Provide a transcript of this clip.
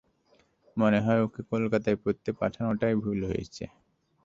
মনে হয় ওকে কলকাতায় পড়তে পাঠানোটাই ভুল হয়েছে।